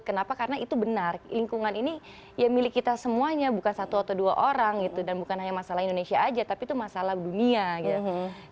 kenapa karena itu benar lingkungan ini ya milik kita semuanya bukan satu atau dua orang gitu dan bukan hanya masalah indonesia aja tapi itu masalah dunia gitu